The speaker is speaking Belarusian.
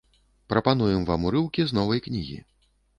Прапануем вам урыўкі з новай кнігі.